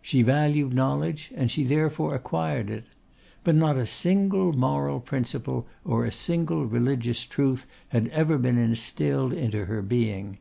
She valued knowledge, and she therefore acquired it. But not a single moral principle or a single religious truth had ever been instilled into her being.